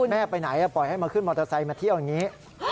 ไปไหนปล่อยให้มาขึ้นมอเตอร์ไซค์มาเที่ยวอย่างนี้